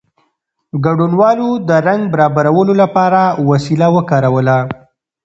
ګډونوالو د رنګ برابرولو لپاره وسیله وکاروله.